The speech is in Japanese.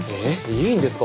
いいんですか？